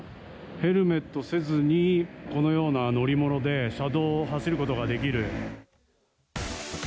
ヘルメットせずにこのような乗り物で車道を走ることができる。